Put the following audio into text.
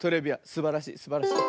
すばらしいすばらしい。